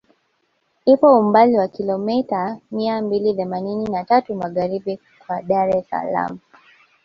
Ipo umbali wa kilometa mia mbili themanini na tatu magharibi kwa Dar es Salaam